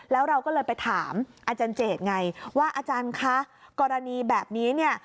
แล้วเราก็เลยไปถามอาจารย์เจตไงว่าอาจารย์คะกรณีแบบนี้เนี่ย